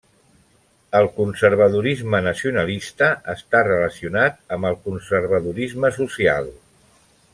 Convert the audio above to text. El conservadorisme nacionalista està relacionat amb el conservadorisme social.